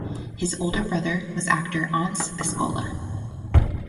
His older brother was actor Ants Eskola.